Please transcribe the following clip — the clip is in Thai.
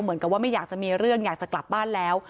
เหมือนกับว่าไม่อยากจะมีเรื่องอยากจะกลับบ้านแล้ว